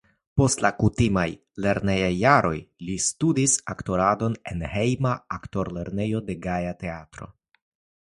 Post la kutimaj lernejaj jaroj li studis aktoradon en hejma aktorlernejo de Gaja Teatro.